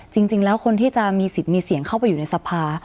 จริงแล้วคนที่จะมีสิทธิ์มีเสียงเข้าไปอยู่ในสภา